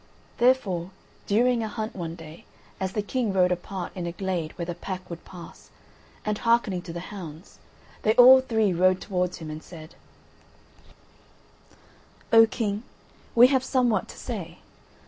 Therefore, during a hunt one day, as the King rode apart in a glade where the pack would pass, and hearkening to the hounds, they all three rode towards him, and said: "O King, we have somewhat to say.